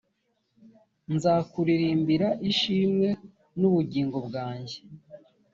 nzakuririmbira ishimwe n ‘ubugingo bwanjye.